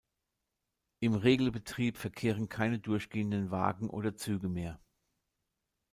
Im Regelbetrieb verkehren keine durchgehenden Wagen oder Züge mehr.